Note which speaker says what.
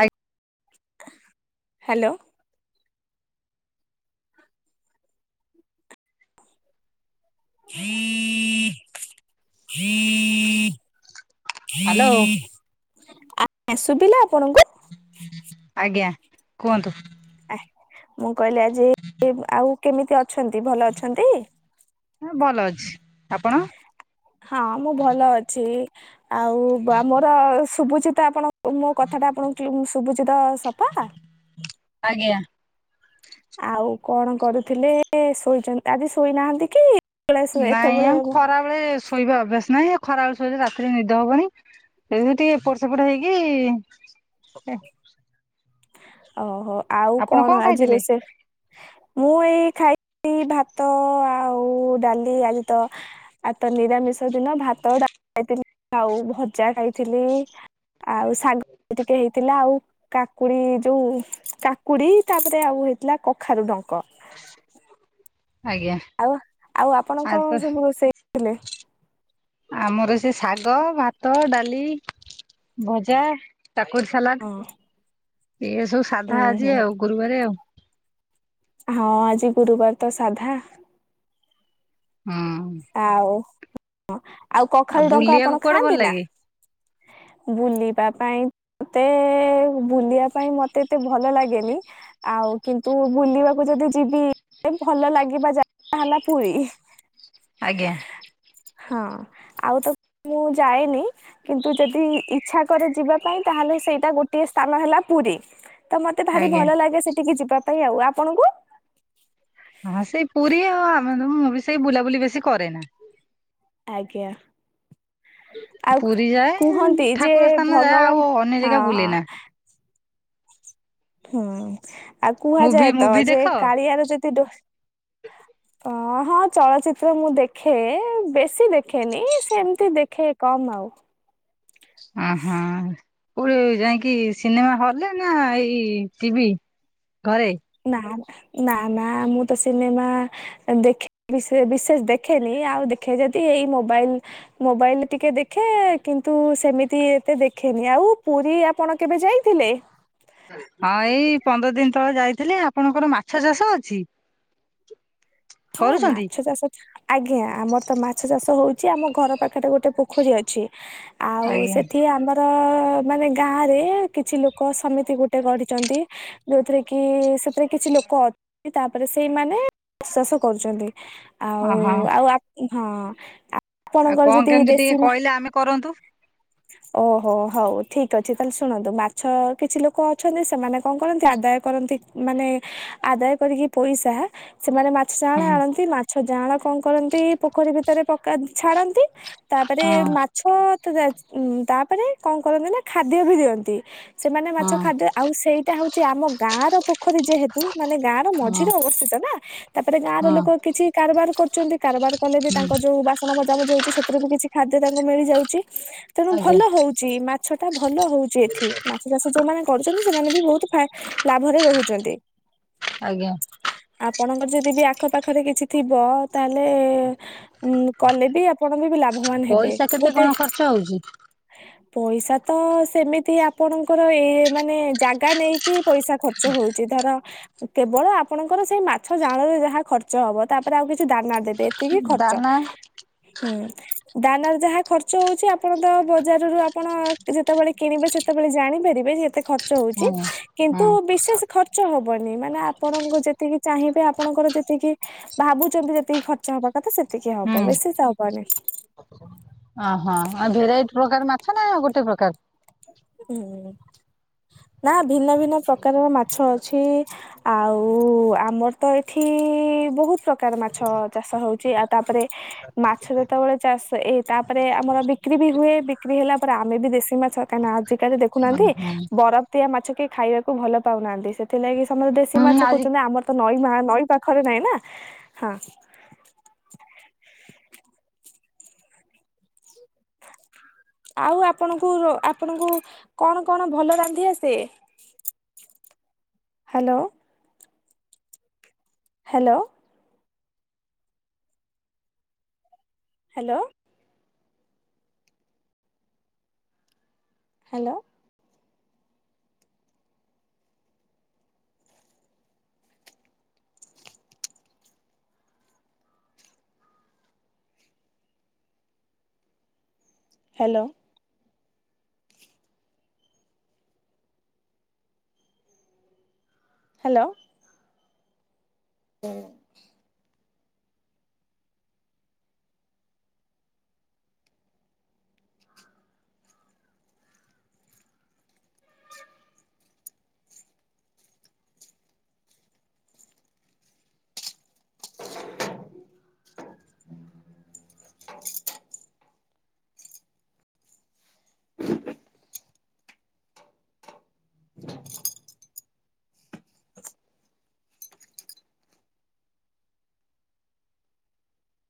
Speaker 1: ଆ
Speaker 2: hello. [inaudible]
Speaker 1: Hello
Speaker 2: ଆ ଶୁବିଲା ଆପଣଙ୍କୁ?
Speaker 1: ଆଜ୍ଞା କୁହନ୍ତୁ।
Speaker 2: ଆ ମୁଁ କଇଲି ଆଜି ଆଉ କେମିତି ଅଛନ୍ତି? ଭଲ ଅଛନ୍ତି?
Speaker 1: ହଁ ଭଲ ଅଛି। ଆପଣ?
Speaker 2: ହଁ ମୁଁ ଭଲ ଅଛି। ଆଉ ମୋର ସୁଭୁଚିିତ ଆପଣ ମୋ କଥାଟା ଆପଣଙ୍କୁ କି ସୁବୁଚିତ ସଫା।
Speaker 1: ଆଜ୍ଞା।
Speaker 2: ଆଉ କଣ କରୁଥିଲେ? ଶୋଇଚ ଆଜି ଶୋଇନାହାନ୍ତି କି? ବେଳେ
Speaker 1: ନାଇଁ
Speaker 2: ଏତେବେଳେ
Speaker 1: ଆଉ ଖରାବେଳେ ଶୋଇବା ଅଭ୍ୟାସ ନାହିଁ। ଖରାବେେଳେ ଶୋଇଲେ ରାତିରେ ନିଦ ହବନି। ଏବେ ଟିକେ ଏପଟ ସେପଟ ହେଇକି
Speaker 2: ଓହୋ ଆଉ
Speaker 1: ଆପଣ
Speaker 2: କଣ ଆଜି
Speaker 1: ଖାଇଥିଲେ?
Speaker 2: ରୋସେ ମୁଁ ଏଇ ଖାଇ ଲି ଭାତ ଆଉ ଡାଲି ଆଜି ତ ଆଉ ତ ନିିରାମିଷ ଦିନ ଭାତ ଡା ଖାଇଥିଲି ଆଉ ଭଜା ଖାଇଥିଲି। ଆଉ ଶାଗ ଟିକେ ହେଇଥିଲା ଆଉ। କାକୁଡି ଯୋଉ କାକୁଡି ତାପରେ ଆଉ ହେଇଥିଲା କଖାରୁ ଡଙ୍କ।
Speaker 1: ଆଜ୍ଞା।
Speaker 2: ଆଉ ଆଉ ଆପଣ
Speaker 1: ଆ
Speaker 2: କଣ ସବୁ ରୋଷେଇ ଥିଲେ।
Speaker 1: ଆମର ସେ ଶାଗ, ଭାତ, ଡାଲି। ଭଜା, କାକୁଡି ସାଲାଡ
Speaker 2: ହଁ
Speaker 1: ଏଇଆ ସବୁ
Speaker 2: ଉଁ
Speaker 1: ସାଧା
Speaker 2: ହୁଁ
Speaker 1: ଆଜି ଆଉ। ଗୁରୁବାରେ ଆଉ।
Speaker 2: ହଁ ଆଜି ଗୁରୁବାର ତ ସାଧା।
Speaker 1: ହୁଁ।
Speaker 2: ଆଉ, ଆଉ
Speaker 1: ଆଉ
Speaker 2: କଖାରୁୁ ଡଙ୍କା
Speaker 1: ବୁଲିବାକୁ
Speaker 2: ଆପଣ
Speaker 1: କୁଆଡେ ଭଲ
Speaker 2: ଖାଆନ୍ତି ନା?
Speaker 1: ଲାଗେ?
Speaker 2: ବୁଲିବା ପାଇଁ ମତେ ବୁଲିବା ପାଇଁ ମତେ ଏତେ ଭଲ ଲାଗେନି। ଆଉ କିନ୍ତୁ ବୁଲିବାକୁ ଯଦି ଯିବି ଭଲ ଲାଗିବା ଯାଗା ହେଲା ପୁରୀ।
Speaker 1: ଆଜ୍ଞା।
Speaker 2: ହଁ ଆଉ ତ ମୁଁ ଯାଏନି। କିନ୍ତୁ ଯଦି ଇଛା କରେ ଯିବା ପାଇଁ ତାହେଲେ ସେଇଟା ଗୋଟିଏ ସ୍ଥାନ ହେଲା ପୁରୀ। ତ ମତେ ଭାରି
Speaker 1: ଆଜ୍ଞା।
Speaker 2: ଭଲ ଲାଗେ ସେଠିକି ଯିବା ପାଇଁ ଆଉ। ଆପଣଙ୍କୁ?
Speaker 1: ହଁ ସେଇ ପୁରୀ ଆଉ ଆମେ ତ ମୁଁ ବି ସେଇ ବୁଲାବୁଲି ବେଶୀ କରେନା।
Speaker 2: ଆଜ୍ଞା। ଆଉ
Speaker 1: ପୁରୀ ଯାଏ
Speaker 2: କୁହନ୍ତି ଯେ
Speaker 1: ଠାକୁର ସ୍ଥାନ ଯାଏ ଆଉ
Speaker 2: ଭଗବାନ
Speaker 1: ଅନ୍ୟ ଜାଗା
Speaker 2: ହଁ।
Speaker 1: ବୁଲେ ନା।
Speaker 2: ହୁଁ ଆଉ
Speaker 1: ମୁଭି
Speaker 2: କୁହାଯାଏ ତ
Speaker 1: ମୁଭି ଦେଖ
Speaker 2: ଯେ କାଳିଆର ଯଦି ଡୋ
Speaker 1: [inaudible]
Speaker 2: ହଁ ହଁ ଚଳଚିତ୍ର ମୁଁ ଦେଖେ, ବେଶୀ ଦେଖେନି, ସେମତି ଦେଖେ କମ୍ ଆଉ।
Speaker 1: ଉଁ ହୁଁ, କୋଉଠି ଯାଇକି ସିନେମା ହଲରେ ନା ଏଇ ଟିଭି? ଘରେ।
Speaker 2: ନା ନା ନା ନା ମୁଁ ତ ସିନେମା ଦେଖେ। ବିସେ ବିଶେଷ ଦେଖେନି, ଆଉ ଦେଖେ ଯଦି ଏଇ ମୋବାଇଲ। ମୋବାଇଲ ଟିକେ ଦେଖେ କିନ୍ତୁ ସେମିତି ଏତେ ଦେଖେନି। ଆଉ ପୁରୀ ଆପଣ କେବେ ଯାଇଥିଲେ?
Speaker 1: ହଁ ଏଇ ପନ୍ଦର ଦିନ ତଳେ ଯାଇଥିଲି, ଆପଣଙ୍କର ମାଛ ଚାଷ ଅଛି?
Speaker 2: ହଁ
Speaker 1: କରୁଛନ୍ତି?
Speaker 2: ମାଛ ଚାଷ ଆଜ୍ଞା, ଆମର ତ ମାଛ ଚାଷ ହଉଛି, ଆମ ଘର ପାଖରେ ଗୋଟେ ପୋଖରୀ ଅଛି। ଆଉ
Speaker 1: ଆଜ୍ଞା
Speaker 2: ସେଠି ଆମ ତ ମାନେ ଗାଁ ରେ, କିଛି ଲୋକ ସମିତି ଗୋଟେ ଗଢ଼ିଚନ୍ତି। ଯୋଉଥିରେ କି ସେଥିରେ କିଛି ଲୋକ ଅଛନ୍ତି, ତା ପରେ ସେଇମାନେ କରୁଚନ୍ତି ଆଉ
Speaker 1: ଓହୋ
Speaker 2: ଆଉ ଅପ୍ ହଁ ଆ
Speaker 1: ଆଉ
Speaker 2: ଆପଣଙ୍କର
Speaker 1: କଣ
Speaker 2: ଯଦି
Speaker 1: କେମିତି ଟିକେ
Speaker 2: ଦେଶୀ ନା
Speaker 1: କହିଲେ ଆମେ କରନ୍ତୁ।
Speaker 2: ଓହୋ ହଉ ଠିକ୍ ଅଛି, ତାହେଲେ ଶୁଣନ୍ତୁ, ମାଛ କିଛି ଲୋକ ଅଛନ୍ତି ସେମାନେ କଣ କରନ୍ତି ଆଦାୟ କରନ୍ତି, ମାନେ ଆଦାୟ କରିକି ପଇସା ସେମାନେ ମା ସାଳେ
Speaker 1: ହୁଁ
Speaker 2: ଆଣନ୍ତି ମାଛ ଜାଳା କଣ କରନ୍ତି ପୋଖରୀ ଭିତରେ ପକା ଛାଡନ୍ତି। ତାପରେ
Speaker 1: ହଁ
Speaker 2: ମା ମାଛ ତାପରେ କଣ କରନ୍ତି ନା, ଖାଦ୍ୟ ବି ଦିଅନ୍ତି ସେମାନେ ମାଛ
Speaker 1: ହଁ
Speaker 2: ଖାଦ୍ୟ ଆଉ ସେଇଟା ହଉଛି ଆମ ଗାଁ ର ପୋଖରୀ ଯେହେତୁ ମାନେ ଗାଁ ର
Speaker 1: ହଁ
Speaker 2: ମଝିରେ ଅବସ୍ଥିତ ନା। ତାପରେ ଗାଁ ର
Speaker 1: ହଁ
Speaker 2: ଲୋକ କିଛି କାରବାର କରୁଚନ୍ତି, କାରବାର କଲେ ବି
Speaker 1: ହୁଁ
Speaker 2: ତାଙ୍କ ଯୋଉ ବାସ୍ ବାସନ ମଜାମୁଜି ହଉଚି ସେଥିରୁ ବି କିଛି ଖାଦ୍ୟ ତାଙ୍କୁ ମିଳିଯାଉଛି, ତେଣୁ
Speaker 1: ଆଜ୍ଞା
Speaker 2: ଭଲ ହଉଚି। ମାଛ ଟା ଭଲ ହଉଛି ଏଠି, ମାଛ ଚାଷ ଯୋଉମାନେ କରୁଛନ୍ତି, ସେମାନେ ବି ବହୁତ ଫା ଲାଭରେ ରହୁଚନ୍ତି।
Speaker 1: ଆଜ୍ଞା।
Speaker 2: ଆପଣଙ୍କର ଯିତ୍ ଯଦି ବି ଆଖପାଖରେ କିଛି ଥିବ ତାହେଲେ କଲେ ବି ଆପଣ ବି ଲା
Speaker 1: ପଇସା କେତେ କଣ ଖର୍ଚ୍ଚ ହଉଚି?
Speaker 2: ପଇସା ତ ସେମିତି ଆପଣଙ୍କର ଏ ମାନେ ଜାଗା ନେଇକି ପଇସା ଖର୍ଚ୍ଚ। ହଉଛି, ଧର କେବଳ ଆପଣଙ୍କର ସେଇ ମାଛ ଚାଳରେ ଯାହା ଖର୍ଚ୍ଚ ହବ, ତାପରେ ଆଉ କିଛି ଦାନା ଦେବେ, ଏତିକି ଖର୍ଚ୍ଚ।
Speaker 1: ଦାନା
Speaker 2: ହୁଁ ଦାନାର ଯାହା ଖର୍ଚ୍ଚ ହଉଛି, ଆପଣ ତ ବଜାରରୁ ଆପଣ ଯେତେବେଳେ କିଣିବେ, ସେତେବେଳେ ଜାଣିପାରିବେ ଯେ ଏତେ ଖର୍ଚ୍ଚ ହଉଛି,
Speaker 1: ହଁ।
Speaker 2: କିନ୍ତୁ
Speaker 1: ହଁ
Speaker 2: ବିଶେଷ ଖ ର୍ଚ୍ଚ ହବନି, ମାନେ ଆପଣଙ୍କୁ ଯେତିକି ଚାହିଁବେ ଆପଣଙ୍କର ଯେତିକି ଭାବୁଛନ୍ତି ଯେତିକି ଖର୍ଚ୍ଚ ହବା କଥା ସେତିକି ହବ,
Speaker 1: ହୁଁ
Speaker 2: ବେଶି ତ ହବନି।
Speaker 1: ଓହୋ ହ, ଆଉ ଭେରାଇଟି ପ୍ରକାର ମାଛ ନା ଆଉ ଗୋଟେ ପ୍ରକାର?
Speaker 2: ହଁ ନା ଭିନ୍ନ ଭିନ୍ନ ପ୍ରକାରର ମାଛ ଅଛି। ଆଉ ଆମର ତ ଏଠି ବହୁତ ପ୍ରକାର ମାଛ ଚାଷ ହେଉଚି, ଆଉ ତାପରେ ମାଛ ଯେତେବେଳେ ଚାଷ, ଏ ତାପରେ ଆମର ବିକ୍ରି ବି ହୁଏ, ବିକ୍ରି ହେଲା କାହିଁନା ଆଜିକାଲି
Speaker 1: ଉଁ
Speaker 2: ଦେଖୁନାହାନ୍ତି
Speaker 1: ହୁଁ
Speaker 2: ବରଫ ଦିଆ ମାଛ କେହି ଖାଇବାକୁ ଭଲ ପାଉନାହାନ୍ତି, ସେଥିଲାଗି ତମର ଦେଶୀ
Speaker 1: ହୁଁ
Speaker 2: ମାଛ
Speaker 1: ଆଜି
Speaker 2: କରୁଚନ୍ତି, ଆମର ତ ନଈ ନଈ ପାଖରେ ନାଇଁ ନା ହଁ ଆଉ ଆପଣଙ୍କୁ ଆପଣଙ୍କୁ କଣ କଣ ଭଲ ରାନ୍ଧିି ଆସେ? Hello hello hello. Hello. Hello. Hello. ହଁ। [inaudible]